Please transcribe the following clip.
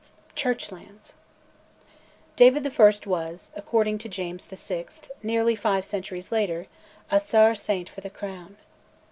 CHURCH LANDS. David I. was, according to James VI., nearly five centuries later, "a sair saint for the Crown."